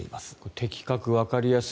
的確、わかりやすい。